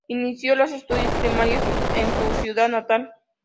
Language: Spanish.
Inició los estudios primarios en su ciudad natal.